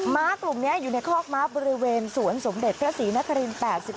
้ากลุ่มนี้อยู่ในคอกม้าบริเวณสวนสมเด็จพระศรีนคริน๘๔